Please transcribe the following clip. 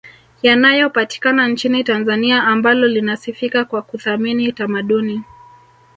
yanayopatikana nchini Tanzania ambalo linasifika kwa kuthamini tamaduni